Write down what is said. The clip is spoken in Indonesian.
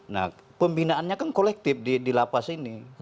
nah pembinaannya kan kolektif di la paz ini